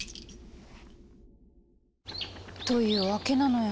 というわけなのよ。